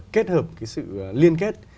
kết hợp cái sự liên kết